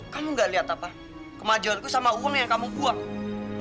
kamu gak lihat apa kemajuan aku sama uang yang kamu buang